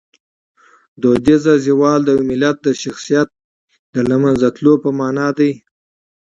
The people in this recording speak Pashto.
فرهنګي زوال د یو ملت د شخصیت د لمنځه تلو په مانا دی.